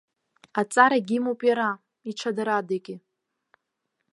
Аҵарагьы имоуп иара, иҽадарадагьы.